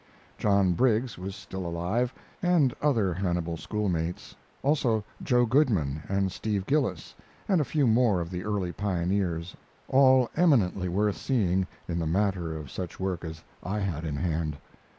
John Briggs was still alive, and other Hannibal schoolmates; also Joe Goodman and Steve Gillis, and a few more of the early pioneers all eminently worth seeing in the matter of such work as I had in hand.